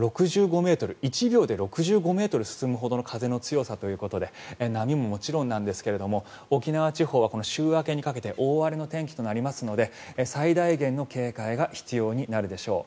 １秒で６５ｍ進むほどの風の強さということで波ももちろんなんですが沖縄地方は週明けにかけて大荒れの天気となりますので最大限の警戒が必要になるでしょう。